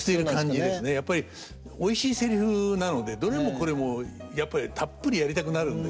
やっぱりおいしいセリフなのでどれもこれもやっぱりたっぷりやりたくなるんですよね。